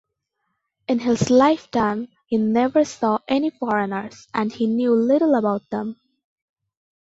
In his lifetime he never saw any foreigners and he knew little about them.